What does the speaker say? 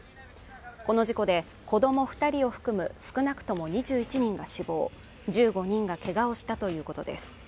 この事故で子ども二人を含む少なくとも２１人が死亡１５人がけがをしたということです